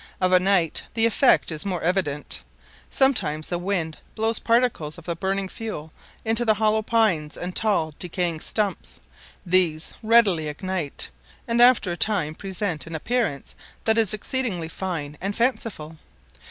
Of a night the effect is more evident; sometimes the wind blows particles of the burning fuel into the hollow pines and tall decaying stumps; these readily ignite, and after a time present an appearance that is exceedingly fine and fanciful.